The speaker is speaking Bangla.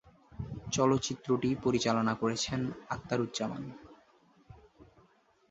চলচ্চিত্রটি পরিচালনা করেছেন আখতারুজ্জামান।